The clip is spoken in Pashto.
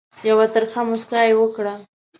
یوه ترخه مُسکا یې وکړه.